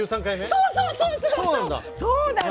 そうそう！